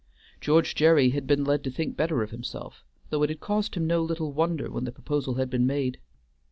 George Gerry had been led to think better of himself, though it had caused him no little wonder when the proposal had been made.